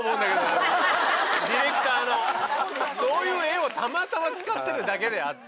ディレクターのそういう画をたまたま使ってるだけであって。